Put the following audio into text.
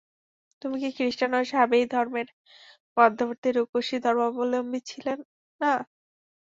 তুমি কি খৃষ্টান ও সাবেয়ী ধর্মের মধ্যবর্তী রুকুসী ধর্মাবলম্বী ছিলে না?